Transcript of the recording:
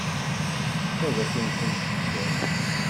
Ad akent-tent-kksen?